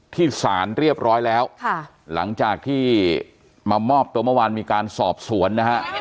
ที่ศาลเรียบร้อยแล้วค่ะหลังจากที่มามอบตัวเมื่อวานมีการสอบสวนนะฮะ